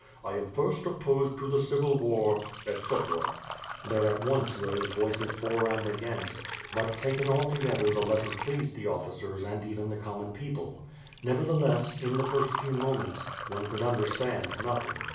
I am first opposed to the civil war, etc." .... There at once rose voices for and against; but, taken all together the letter pleased the oificers and even the common people. Nevertheless, in the first few moments, one could understand nothing.